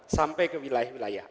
sampai ke wilayah wilayah